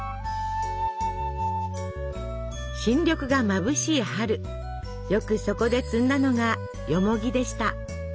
新緑がまぶしい春よくそこで摘んだのがよもぎでした。